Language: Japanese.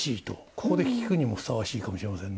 ここで聴くにもふさわしいかもしれませんね。